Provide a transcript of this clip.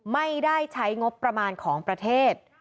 ไม่ได้ใช้งบประมาณของประเทศ